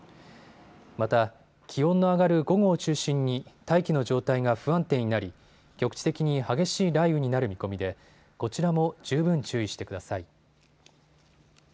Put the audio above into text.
また、気温の上がる午後を中心に大気の状態が不安定になり局地的に激しい雷雨になる見込みでこちらも十分注意してください。